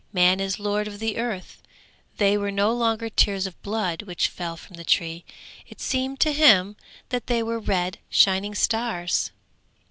Man is lord of the earth.' They were no longer tears of blood which fell from the Tree; it seemed to him that they were red shining stars.